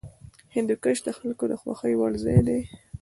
هندوکش د خلکو د خوښې وړ ځای دی.